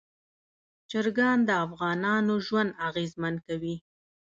چرګان د افغانانو ژوند اغېزمن کوي.